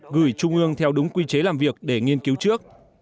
gửi trung ương theo đúng quy chế làm việc để nghiên cứu trước